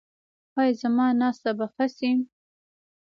ایا زما ناسته به ښه شي؟